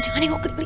jangan ya li li